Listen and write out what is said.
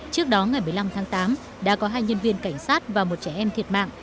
trước đó ngày một mươi năm tháng tám đã có hai nhân viên cảnh sát và một trẻ em thiệt mạng